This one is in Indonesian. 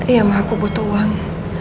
ya mama aku butuh uang